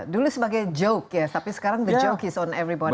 dulu sebagai joke ya tapi sekarang the joke is on everyboard